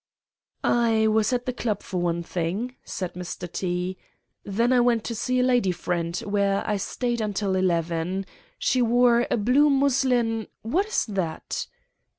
"'I was at the club for one thing,' said Mr. T——; 'then I went to see a lady friend, where I stayed till eleven. She wore a blue muslin—— What is that?